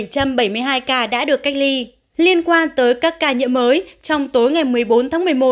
bảy trăm bảy mươi hai ca đã được cách ly liên quan tới các ca nhiễm mới trong tối ngày một mươi bốn tháng một mươi một